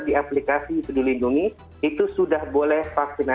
di aplikasi itu dilindungi itu sudah boleh vaksinasi